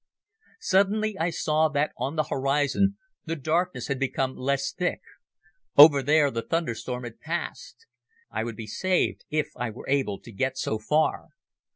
Suddenly I saw that on the horizon the darkness had become less thick. Over there the thunderstorm had passed. I would be saved if I were able to get so far.